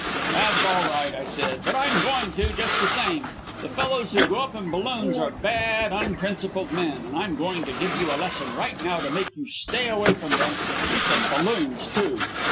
"That's all right," I said, "but I'm going to, just the same. The fellows who go up in balloons are bad, unprincipled men, and I'm going to give you a lesson right now to make you stay away from them, and from balloons, too."